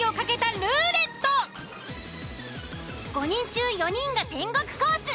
５人中４人が天国コース。